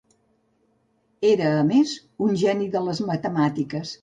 Era a més, un geni de les matemàtiques.